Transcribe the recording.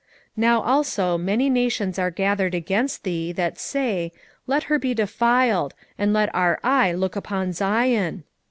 4:11 Now also many nations are gathered against thee, that say, Let her be defiled, and let our eye look upon Zion.